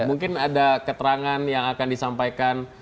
mungkin ada keterangan yang akan disampaikan